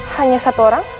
hanya satu orang